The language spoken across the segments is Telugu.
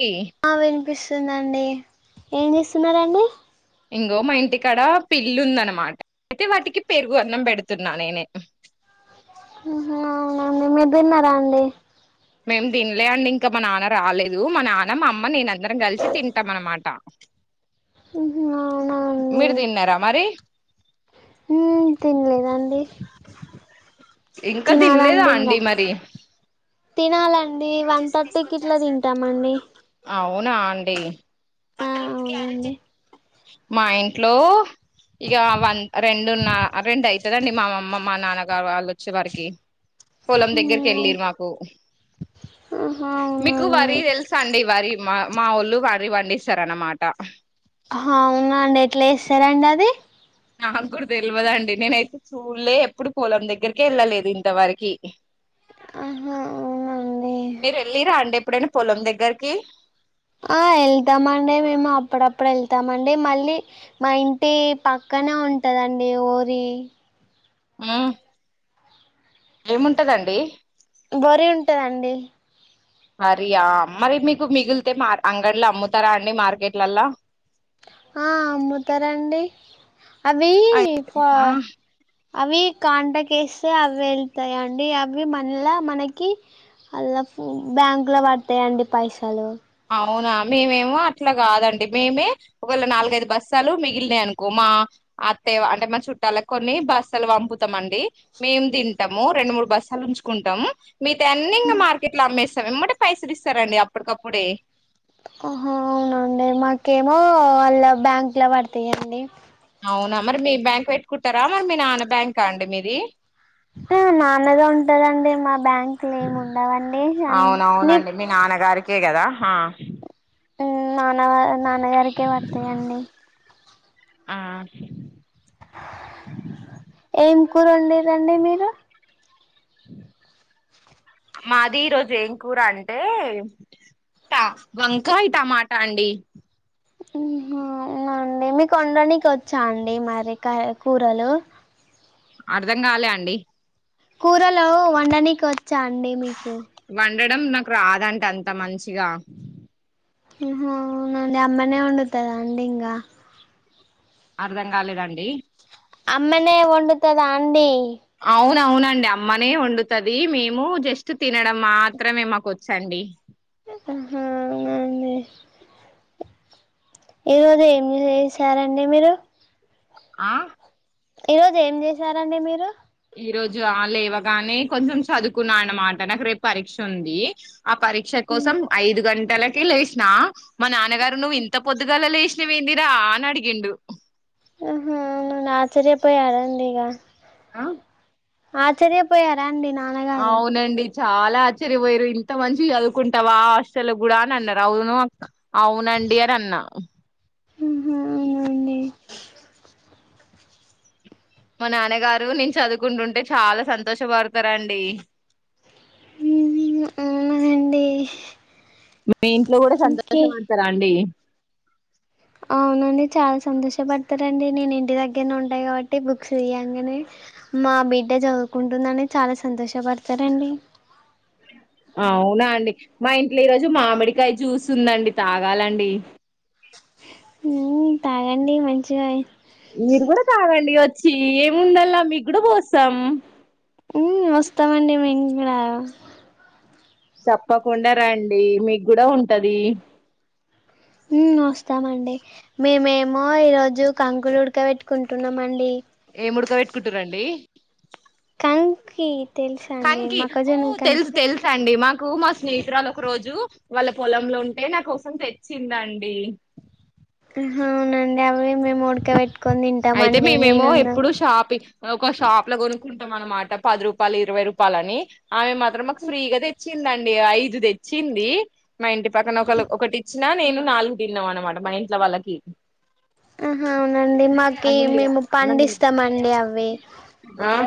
కి ఆ వినిపిస్తుందండి ఏం చేస్తున్నరండి ఇంగో మా ఇంటికాడ పిల్లుందనమాట అయితే వాటికి పెరుగు అన్నం పెడుతున్నా నేనే [inaudible] ఆహా అవునా అండీ మీర్ దిన్నారా అండి మేం తినలే అండి ఇంకా మా నాన్న రాలేదు మా నాన్న మా అమ్మ నేను అందరం కలిసి తింటాం అన్నమాట ఉహు అవునా మీరు తిన్నారా మరి ఊమ్ తినలేదండి ఇంకా తినలేదా తినాలండి ఇంగా అండి మరి తినాలండి వన్ థర్టీకి ఇట్లా తింటామండి అవు వునా అండి ఆ అవునండి మా ఇంట్లో ఇక వన్ రెండు నా రెండు ఐతదండి మా అమ్మ మా నాన్నగారు ఆళ్ళు ఒచ్చే వరకి పొలం దగ్గరికి కెల్లిండ్రు నాకు ఆహా మీకు వరి అవునండి తెలుసా అండి వరి మా మా ఒళ్ళు వరి వండిసరనమాట అవున అండి ఎట్లా చేస్తారండి అది నాకు కూడా తెలియదండి నేనైతే చూడలే ఎప్పుడు పొలం దగ్గరకే వెళ్ళలేదు ఇంతవరకి ఆహా అవునా అండి మీరు వెళ్ళిరా అండి ఎప్పుడనా పొలం దగ్గరకి ఆ వెళ్తామండి మేము అప్పుడప్పుడు వెళ్తామండి మళ్ళీ మా ఇంటి పక్క పక్కనే ఉంటాదండి ఓరి ఆ ఏముంటదండి బరీ ఉంటదండి హరియా మరి మీకు మిగిలితే మా అంగడ్లో అమ్ముతారా అండి మార్కెట్లలా ఆ అమ్ముతారాండి అవి కా ఆ అవి కాంటక్ వేస్తే అవి వెళ్తాయి అండి అవి మళ్ళా మనకి అలా బ్యాంకు లో పడతాయండి పైసలు అవునా మేమేమో అట్లా కాదండి మేమే ఒకవేళ నాలుగైదు బస్సాలు మిగిలినయ్ అనుకో మా అత్త అంటే మా చుట్టాలకు కొన్ని బస్సలు పంపుతాం అండి మేం ది ఉంటాము రెండు మూడు బస్సాలు ఉంచుకుంటాము మిత అన్ని ఇంకా మార్కెట్ లో అమ్మేస్తాం ఎమ్మటే పైసలు ఇస్తారండి అప్పటికప్పుడే ఆహ అవునండి మాకేమో వాళ్ళ బ్యాంక్ లో పడతాయండి అవునా మరి మీ బ్యాంక్ పెట్టుకుంటారా మరి మీ నాన్న బ్యాంకా అండి మీది నాన్నదే ఉంటదండి మా బ్యాంక్ లో ఏమి ఉండవండి అ కేకదా ఆహా నాన్న నాన్నగారికే పడతాయండి ఆ ఏం కూర వండి రండి మీరు అ మాది ఈరోోజు ఏం కూర అంటే ట వంకాయ్ టమాట అండి ఉ హ ఉనా అండి మీకు వండానికి వచ్చా అండి మరి కర్రీ కూరలు. అర్ధం కాలా అండి కూరలు వండనీకి వచ్చా అండి మీకు వండడం నాకు రాదంటా అంత మంచిగా ఉ హ అవునండి అమ్మానే ఉండుతదా అండి ఇంగా అర్ధం కాలేదండి అమ్మనే వండుతుదా అండి అవును అవునండి అప్ అమ్మనే వండుతది మేము జస్ట్ తినడం మాత్రమే మాకు వచ్చండి. ఆ హా అవునా అండి ఈ రోజు ఏం చేశారండి మీరు ఆ ఈ రోజు ఏమ్ చేసారండి మీరు ఈ రోజు ఆ లేవగానే కొంచం చదువుకున్నా అన్నమాట నాకు రేపు పరీక్ష ఉంది. ఆ పరీక్ష కోసం ఐదు గంటలక్ కే లేసినా మా నాన్నగారు నువ్వు ఇంత పొద్దుగాల లేసినవి ఏందిరా అని అడిగిండు. ఆహా ఆయన ఆశ్చర్యపోయారండి ఇగ ఆ ఆశ్చర్యపోయ రండి నా అవునండి చాలా ఆశ్చర్యపోయారు ఇంత మంచి చదువుకుంటావా హస్టలో కూడా అన అన్నారు. అవును అవున రండియర్ అన్న ఆ హా అవునా అండి మా నాన్నగారు నేను చదువుకుంటుంటే చాలా సంతోష్ పడుతారండి. అవునా అండి మీ ఇంట్లో కూడా సంతోష పడుతారా అండి అవునండి చాలా సంతోషపడుతారండి, నేను ఇంటి దగ్గరనే ఉంటా కాబట్టి బుక్స్ తియంగానే. మా బిడ్డ చదువుకుంటుందని చాలా సంతోషపడుతారండి. అవునా అండి మా ఇంట్లో ఈ రోజు మామిడికాయ్ జ్యూస్ ఉందండి తాగాలండి. ఉ తాగండి మంచిగాయే మీరు కూడా తాగండి వచ్చి ఏముందలా మీకు కూడా పోస్తాం. ఊ వస్తామండి మేమ్ కూడా తప్పకుండా రండి మీకు కూడా ఉంటది ఉమ్ వస్తామండి మేమేమో ఈరోజు కంకులు ఉడకవబెట్టుకుంటున్నాం అండి. ఏం ఉడకబెట్టుకుంటురండి కంకీ కంకీ ఓ తెలుసు తెలుసు అండి మాకు మా స్నేహితురాలు ఒక రోజు వాళ్ల పొలంలో ఉంటే నా కోసం తెచ్చిందండి. ఆహా అవునా అండి అవే మేము ఉడకావబెట్ అయితే మేమేమో ఇప్పుడు షాపి ఒక షాప్ లో కొనుకున్ టాం అన్నమాట పది రూపాయలు ఇరవై రూపాయలు అని, ఆమె మాత్రం మాకు ఫ్రీగా తెచ్చిందండి ఐదు తెచ్చి ఇంది మా ఇంటి పక్కన ఒకళ్లు ఒకటి ఇచ్చినా నేను నాలుగు తిన్నాం అన్నమాట మా ఇంట్లో వాళ్లకి. అహా అవునా అండి మాకి మేము పండిస్తామ్ అండి అవి ఆ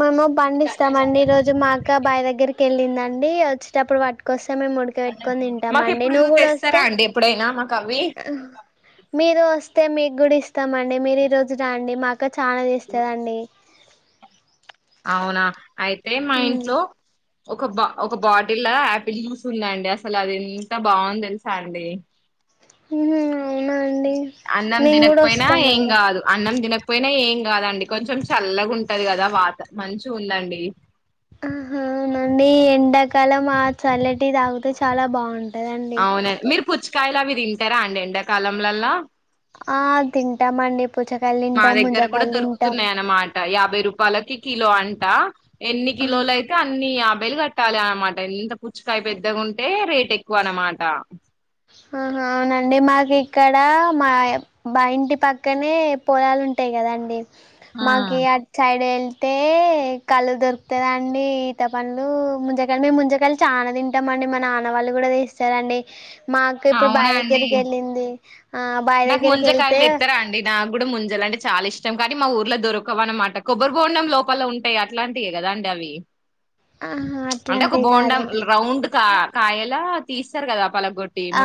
మేము పండిస్తామండి ఈ రోజు మా అక్క బాయి దగ్గరికి వెళ్ళిందండి వచ్చేటప్పుడు పట్టుకొస్త్ త్త మేము ఉడిక పెట్టుకొని తింటాం మాకు మండి ఇప్పుడు నువ్వు కూడా తెస్తారా వస్తే అండి ఎప్పుడైనా మాకు అవి మీరు వస్తే మీకు కూడా ఇస్తామండి మీరు ఈ రోజు రాండి మాక్ అక్క చానా తెస్తది అండి అవునా అయితే మా ఉమ్ ఇంట్లో ఒక బ ఒక బాటిల్ల ఆపిల్ జ్యూస్ ఉందండి అసలు అది ఎంత బావుంది తెలుసా అండి మ్ అవునా అండి అన్నం మేము కూడా తినకపోయినా ఏం వస్తామండి కాదు అన్నం తినకపోయినా ఏం కదండి కొంచెం చల్లగా ఉంటది కదా వాత మంచిగా ఉందండి అహా అవునా అండి ఎండాకాలం ఆ చల్లటివి తాగితే చాలా బాగుం అవునండి మీరు పుచ్చకాయలు అవి తింటారా అండి ఎండాకాలంలల్లా ఆ తింటామండి పు మా దగ్గర కూడా దొరుకుతున్నాయి అన్నమాట యాభై రూపాయలకి కిలో అంట ఎన్ని ఆహ్ కిలోలు అయితే అన్నీ యా బై లు కట్టాలి అన్నమాట ఎంత పుచ్చుకాయ పెద్దగా ఉంటే రేట్ ఎక్కువ అన్నమాట ఆ అహా అవునా అండి మాకు ఇక్కడ మా మా ఇంటి పక్కనే పొలాలు ఉంటా యి కదండి మాకి అట్ సైడ్ ఎ కల్లు దొరుకుతది అండి ఈత పండ్లు ముంజాకాయలు మేము ముంజకాయలు చానా తింటామండి మా నాన్న వాళ్లు కూడా తేస్తారు అండి మా అక్క ఇప్పుడు అవునా బాయి అండి దగ్గరికి వెళ్ళింది ఆ బావి నాకు దగ్గరికి ముంజకాయలు వెళ్తే తెత్తరా అండి నా కు కూడా ముంజాలంటే చాలా ఇష్టం కానీ మా ఊర్ల దొరకవు అన్నమాట కొబ్బరి బొండం లోపల ఉంటాయి అట్లాంటివే కదండి అవి ఆహా అంటే ఒక అట్లాంటివి బోండాం కాదండి రౌండ్ కా కాయలా తీస్తారు కదా పలగొట్టి ఆ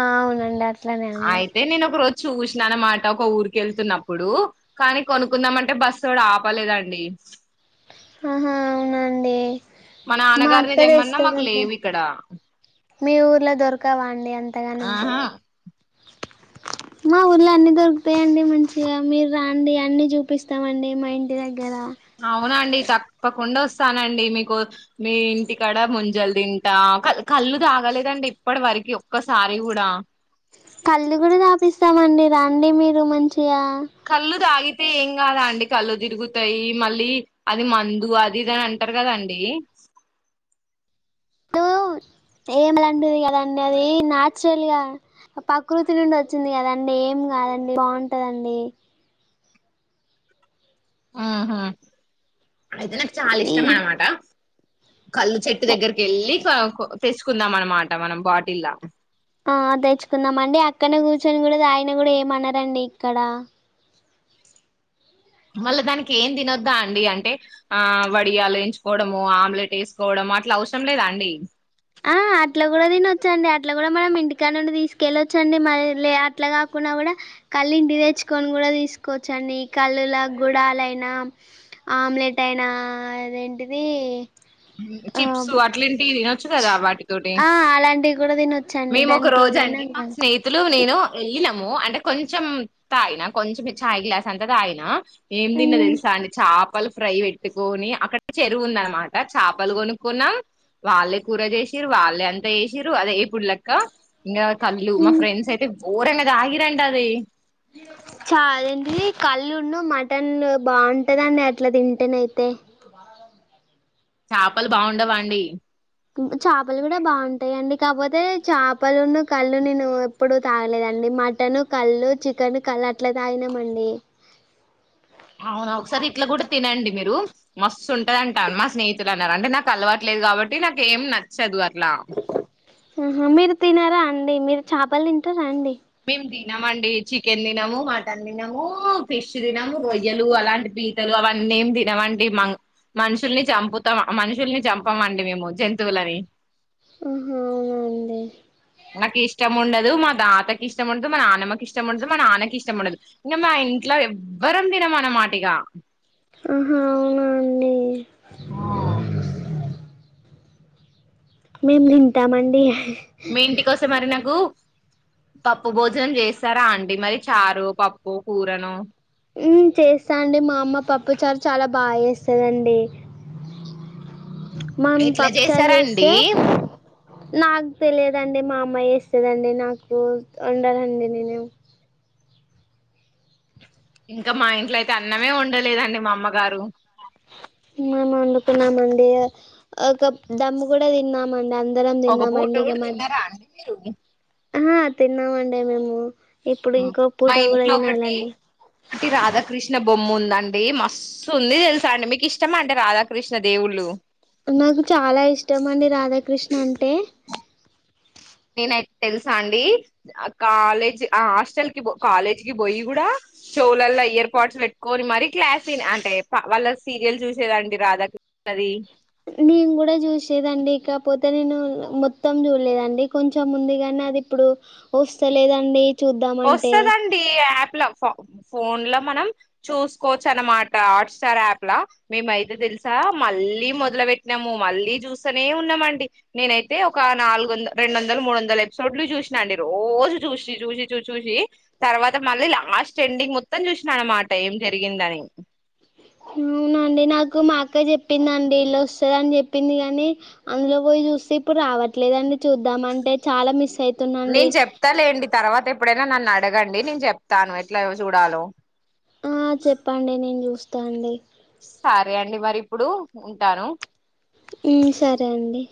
ఆ అవునండి అట్లానే ఆయితే నేను ఒక రోజు చూసినా అన్నమాట ఒక ఊరికి వెళ్తున్నప్పుడు కానీ కొనుకుందామ అంటే బస్సుోడు ఆపలేదండి ఆహా అవునండి మన మా నాన్నగారిని అక్క దేమ్మన్నా మాకు తెస్తదండి లేవు ఇక్కడ మీ ఊర్లో దొరకావా అండి అంతగాన ఆహా మా ఊర్లో అన్నిీ దొరుకుతాయండి మంచిగా మీరు రండి అన్ని చూపిస్తామండి మా ఇంటి దగ్గర అవునా అండి తప్పకుండ వస్తం స్తానండి మీకు మీ ఇంటికాడ ముంజలు తింటా కళ్ళ కళ్ళు తాగలేదండి ఇప్పటి వరకు అరికి ఒక్కసారి కూడా కళ్ళు కూడా తాపిస్తామండి రండి మీరు మంచి కళ్లు తాగి అయితే ఏం కాదా అండి కళ్ళు తిరుగుతాయి మళ్ళీ అది మందు అది ఇది అని అంటారు కదాండి ను ఏమి లాంటిది కదంండీ అది నాచురల్ గా ప్రకృతి నుండి వచ్చింది కదాండి ఏం కాదండి బాగుంటదండి ఆహ అయితే నాకు చాలా ఈ ఇష్టం అనమాట కళ్ళు చెట్టు దగ్గరికి వెళ్ళి తెచ్చుకుందాం అన్నమాట మనం బాటిల్లా ఆ తెచ్చుకుందామ అండి అక్కడే కూర్చొని కూడా తాగినా కూడా ఏమనారంండి ఇక్కడ వాళ్ళ దానికి ఏం తినొద్దా అండి అంటే ఆ వడియాలు వేయించుకోవడము ఆమ్లెట్ వేసుకోవడం మాట్ల అవసరం లేదా అండి ఆ అట్లా కూడా తినిొచ్చండి అట్లా కూడా మనం ఇంటికా నుండి తీసుకెళ్ళవచ్చండి మ అట్లా కాకుండా కూడా కళ్ళు ఇంటి తెచ్చుకొని కూడా తీసుకోవచ్చండి కళ్ళుల గుడాలయిైన ఆమ్లెట్ అంట ఆయన అదేంటిది ఆ చిప్స్ అట్లాంటివి తినొచ్చు క కదా వాటితోటి ఆ అలాంటివి కూడా తినొచ్చండి మేము ఒక దానికి రోజ ఏదైనా అండి మా కాదు స్నేహితులు నేను వెళ్ళినము అంటే కొంచెం తాయినా కొంచెం చాయ్ గ్లాస్ అంత తాగనా ఏం తిన్న మ్మ్. తెలుసా అండి చేపలు ఫ్రై పెట్టుకొని అక్కడికి చెరువు ఉందన్న మాట చేపలు కొనుక్కున్న వాళ్ళే కూర చేసిరు వాళ్ళే అంతా చేసిరు అదే ఎప్పుడు లెక్క ఇంకా కళ్ళు మా ఫ్రెండ్స్ అయితే గోరంగా తాగిందంట అది చాలేంటి కళ్ళు మటన్ బాగుంటదండి అట్లా తింటేన అయితే చేపలు బాగుండవా అండి చేపలు కూడా బాగుంటాయిండి కాకపోతే చేపలులను కళ్ళు నేను ఎప్పుడూ తాగలేదండి మటన్ కళ్ళు చికెన్ కళ్ళు అట్లా తాగినంమండి నో సౌండ్ అవును ఒకసారి ఇట్లా కూడా తినండి మీరు మస్తు ఉంటది అంటాను మా స్నేహితులు అన్నారు అంటే నాకు అలవాట్లే లేదు కాబట్టి నాకు ఏం నచ్చదు అట్లా ఆహా మీరు తినారా అండి మీరు చేపలు తింటారా అండి మేము తినమండి చికెన్ తినము మటన్ తినము ఫిష్ తినము రొయ్యలు అలాంటి పీతలు అవన్నీ ఏం తినవండి మ మనుషుల్ని చంపుతాం మనుషుల్ని చంపమండి మేము జంతువులని నో సౌండ్ ఉ హా అవునా అండి నాకు ఇష్టం ఉండదు మా తాతకి ఇష్టం ఉండదు మా నాన్నమ్మకి ఇష్టం ఉండదు నాన్నకి ఇష్టం ఉండదు ఇంకా మా ఇంట్లో ఎవ్వరం దినమా మాటగా ఆహా అవునా అండి మేము తింటామండి మీ ఇంటి కోసే మరి నాకు పప్పు భోజనం చేస్తారా అండి మరి చారు పప్పు కూరను చేస్తా అండి మా అమ్మ పప్పు చారు చాలా బాగా చేస్తందండి మా అమ్మ ఇట్లా పప్పు చారు చేసారండి చేస్తే నాకు తెలియదండి మా అమ్మాయి ఇస్తేదండి నాకు ఉండదండి నేను నో సౌండ్ ఇంకా మా ఇంట్లో అయితే అన్నమే వండలేదండి మా అమ్మగారు మేం వండుకున్నామండీ ఒక దమ్ము కూడా తిన్నామండి ఆన్ అందరం ఒక పూట తిన్నామండి ఇక కూడా మధ్ తిన్నారా అండి మీరు తిన్నామండి మేము ఇప్పుడు ఇంకో మా పూట కూడా ఇంట్లో ఒకటి తినాలండి ఒకటి రాధాకృష్ణ బొమ్మ ఉంది ఉందండి మస్తుంది తెలుసండి మీకు ఇష్టమంటే రాధాకృష్ణ దేవుళ్ళు నాకు చాలా ఇష్టం అండి రాధాకృష్ణ అంటే నేనైతే తెలుసా అండి ఆ కాలేజీ ఆ హాస్టల్ కి కాలేజ్ కి పోయి కూడా చెవిలో ఇయర్పాడ్స్ పెట్టుకొని మరి క్లాస్ అంటే వాళ్ళ సీరియల్ చూసేదండి రాధాకృష్ణ అది నేను కూడా చూసేదండి కాకపోతే నేను మొత్తం చూడలేదండి కొంచెం ముందుగానే నాది ఇప్పుడు వస్తలేదండి చూద్దామంటే వస్తదండి యాప్ ఫోన్ల ఫోన్లో మనం చూసుకోవచ్చన్నమాట హాట్స్టార్ యాప్ లా మేమైతే తెలుసా మళ్ళీ మొదలు పెట్టినాము మళ్ళీ చూస్తూనే ఉన్నామండి నేనైతే ఒక నాలుగు వంద రెండు వందలు మూడువందలు ఎపిసోడ్లు చూసినాండి రోజు చూసి చూసి చూసి చూసి తర్వాత మళ్ళీ లాస్ట్ ఎండింగ్ మొత్తం చూసిన అన్నమాట ఏం జరిగిందని అవునండి నాకు మా అక్క చెప్పిందిండి ఇల్లా వస్తదని చెప్పింది కానీ అందులో పోయి చూస్తే ఇప్పుడు రావట్లేదండి చూద్దాం అంటే చాలా మిస్ అయి నేను చెప్తాలేండి తర్వాత ఎప్పుడైనా నన్ను అడగండి నేను చెప్తాను ఎట్ల చూడాలో ఆ చెప్పండి నేను చూస్తా అండి సరే అండి మరి ఇప్పుడు ఉంటాను ఉ సరే అండి